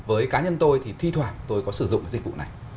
với cá nhân tôi thì thi thoảng tôi có sử dụng dịch vụ này